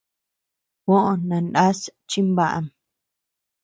Juó nandaʼas chimbaʼam.